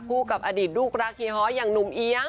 กับอดีตลูกรักเฮีฮ้ออย่างหนุ่มเอี๊ยง